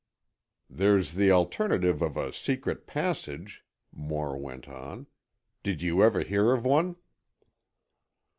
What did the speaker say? "There's the alternative of a secret passage," Moore went on. "Did you ever hear of one?"